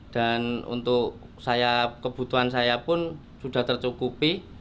dan untuk kebutuhan saya pun sudah tercukupi